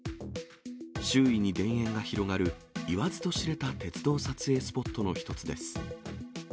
周囲に田園が広がる、言わずと知れた鉄道撮影スポットの一つです。